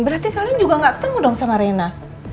berarti kalian juga gak ketemu dong sama rena